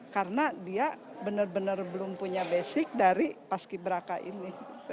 karena dia benar benar belum punya basic dari pas ki braka ini